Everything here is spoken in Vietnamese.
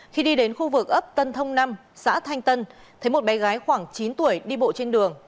khi đi đến khu vực ấp tân thông năm xã thanh tân thấy một bé gái khoảng chín tuổi đi bộ trên đường